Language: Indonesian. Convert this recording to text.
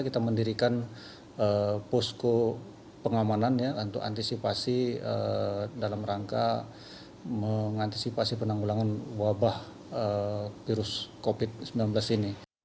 kita mendirikan posko pengamanan untuk antisipasi dalam rangka mengantisipasi penanggulangan wabah virus covid sembilan belas ini